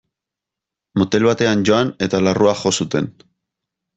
Motel batean joan eta larrua jo zuten.